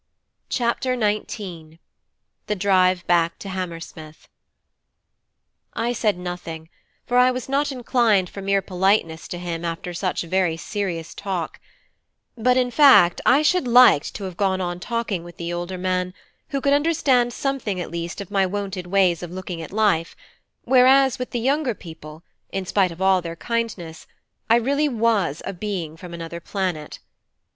CHAPTER XIX: THE DRIVE BACK TO HAMMERSMITH I said nothing, for I was not inclined for mere politeness to him after such very serious talk; but in fact I should liked to have gone on talking with the older man, who could understand something at least of my wonted ways of looking at life, whereas, with the younger people, in spite of all their kindness, I really was a being from another planet.